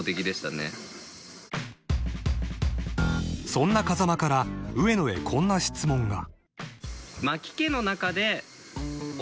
［そんな風間から上野へこんな質問が］